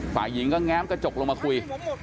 ฝ่ายหญิงก็แง้มกระจกลงมาคุย